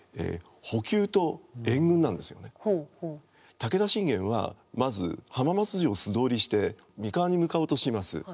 武田信玄はまず浜松城を素通りして三河に向かおうとします。